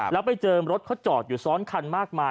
แล้วไปเจอรถเขาจอดอยู่ซ้อนคันมากมาย